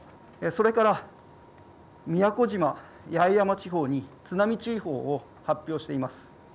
それから宮古島・八重山地方に津波注意報を発表しています。